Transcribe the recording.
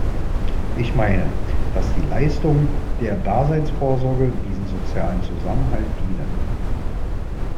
Ich meine, dass die Leistungen der Daseinsvorsorge diesem sozialen Zusammenhalt dienen.